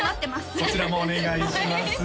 こちらもお願いします